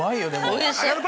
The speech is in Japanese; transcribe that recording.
◆おいしい。